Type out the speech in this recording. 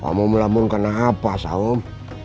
kamu melamun karena apa saham